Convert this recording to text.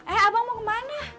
eh abang mau kemana